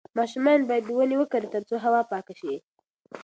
ماشومان باید ونې وکرې ترڅو هوا پاکه شي.